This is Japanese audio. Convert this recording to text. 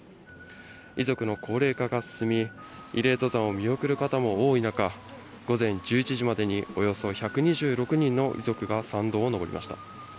遺族の高齢化が進み、慰霊登山を見送る方も多い中、午前１１時までにおよそ１２６人の遺族が山道を登りました。